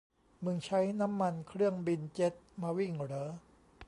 มึงใช้น้ำมันเครื่องบินเจ็ตมาวิ่งเหรอ